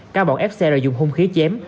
các bọn ép xe rồi dùng hung khí chém